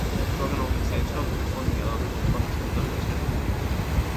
Frågan om annonseringskravet utformning i övrigt omfattas inte av utredningens direktiv.